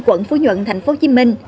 quận phú nhuận tp hcm